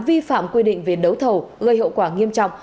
vi phạm quy định về đấu thầu gây hậu quả nghiêm trọng